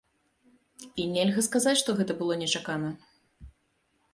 І нельга сказаць, што гэта было нечакана.